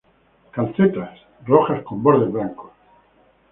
Calcetas:Rojas con bordes blancos.